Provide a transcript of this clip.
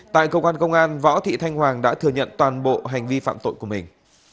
tại cơ quan công an võ thị thanh hoàng đã thừa nhận toàn bộ hành vi phạm tội của mình